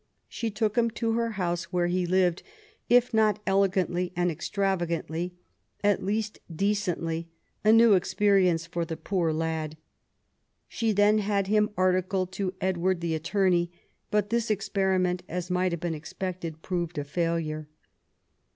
She took him to her house, where he lived, if not elegantly and extravagantly, at least decently, a new experience for the poor lad. She then had him ar tided to Edward, the attorney; but this experiment, as might have been expected, proved a failure.